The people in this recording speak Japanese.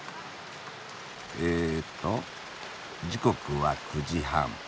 えっと時刻は９時半。